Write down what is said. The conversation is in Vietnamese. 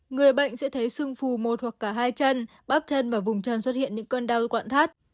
người bệnh sẽ thấy sưng phù một hoặc cả hai chân áp chân và vùng chân xuất hiện những cơn đau quạn thắt